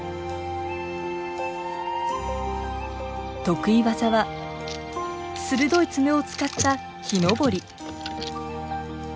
得意技は鋭い爪を使った木登り。